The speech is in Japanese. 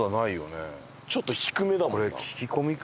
ちょっと低めだもんな。